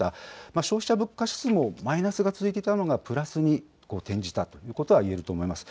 消費者物価指数もマイナスが続いていたのが、プラスに転じたということはいえると思います。